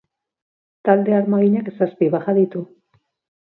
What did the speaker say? Talde armaginak zazpi baja ditu.